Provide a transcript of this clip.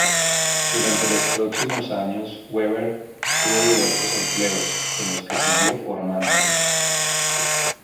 Durante los próximos años, Weber tuvo diversos empleos, en los que siguió formándose.